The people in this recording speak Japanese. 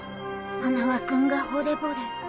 花輪君がほれぼれ。